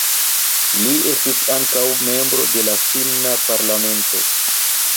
Li estis ankaŭ membro de Finna Parlamento.